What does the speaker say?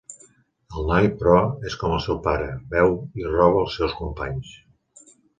El noi, però, és com el seu pare, veu i roba els seus companys.